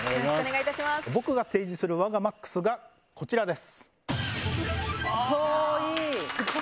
僕が提示する我がＭＡＸがこちらです。